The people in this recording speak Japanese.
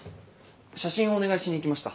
写真をお願いしに行きました。